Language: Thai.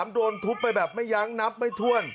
โดนทุบไปแบบไม่ยั้งนับไม่ถ้วน